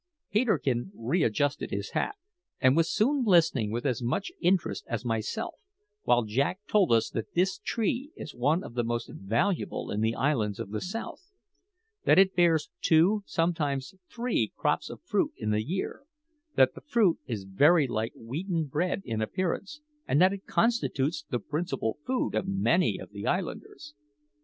Peterkin readjusted his hat, and was soon listening with as much interest as myself while Jack told us that this tree is one of the most valuable in the islands of the south; that it bears two, sometimes three, crops of fruit in the year; that the fruit is very like wheaten bread in appearance, and that it constitutes the principal food of many of the islanders.